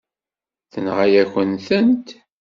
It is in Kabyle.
Tenɣa-yakent-tent.